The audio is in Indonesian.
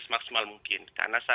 semaksimal mungkin karena kami memahami